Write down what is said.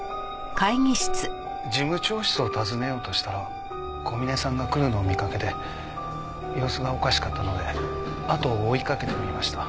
事務長室を訪ねようとしたら小嶺さんが来るのを見かけて様子がおかしかったのであとを追いかけてみました。